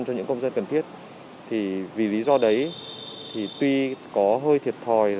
cho những công dân cần thiết thì vì lý do đấy thì tuy có hơi thiệt thòi